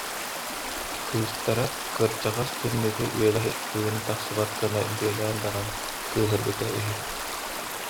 Кыыстара кырдьаҕас түннүгү-үөлэһи тыын тахсыбат гына бүөлээн баран кыырбыта үһү